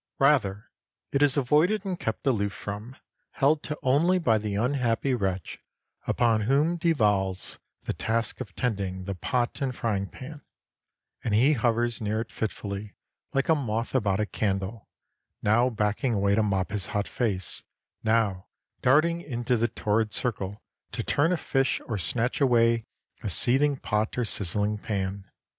Rather it is avoided and kept aloof from, held to only by the unhappy wretch upon whom devolves the task of tending the pot and frying pan, and he hovers near it fitfully, like a moth about a candle, now backing away to mop his hot face, now darting into the torrid circle to turn a fish or snatch away a seething pot or sizzling pan.